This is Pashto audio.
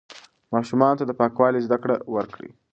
ماشومانو ته د پاکوالي زده کړه ورکړئ.